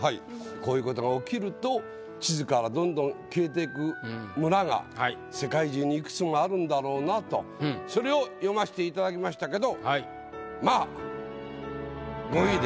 こういうことが起きると地図からどんどん消えていく村が世界中にいくつもあるんだろうなとそれを詠ましていただきましたけど。